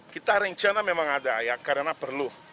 kita rencana memang ada ya karena perlu